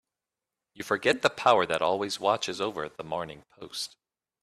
You forget the power that always watches over the Morning Post.